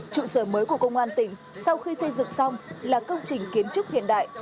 trụ sở mới của công an tỉnh sau khi xây dựng xong là công trình kiến trúc hiện đại